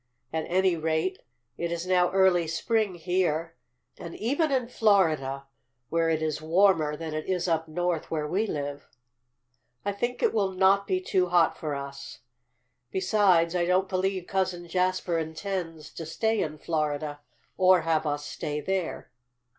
"At any rate it is now early spring here, and even in Florida, where it is warmer than it is up North where we live, I think it will not be too hot for us. Besides, I don't believe Cousin Jasper intends to stay in Florida, or have us stay there."